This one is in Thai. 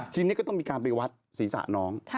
ทีนี้ก็ต้องมีการไปวัดศีรษะน้อง